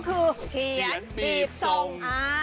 เขียนบีบทรง